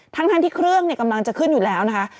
ทั้งที่เครื่องกำลังจะขึ้นอยู่แล้วนะคะ